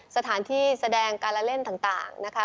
สถานที่แสดงการละเล่นต่างนะคะ